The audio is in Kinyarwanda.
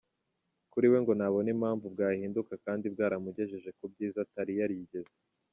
Kuri we ngo ntabona impamvu bwahinduka kandi bwaramugejeje ku byiza atari yarigeze.